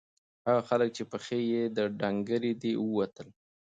هغه هلک چې پښې یې ډنگرې دي ووت.